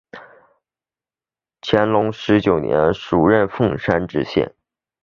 乾隆十九年署任凤山县知县。